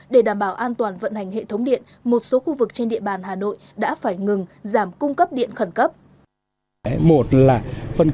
để đảm bảo an toàn vận hành hệ thống điện một số khu vực trên địa bàn hà nội đã phải ngừng giảm cung cấp điện khẩn cấp